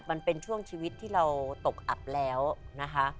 มันเป็นช่วงชีวิตที่เราตกอับแล้วนะคะ